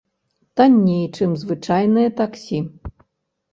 Танней, чым звычайнае таксі?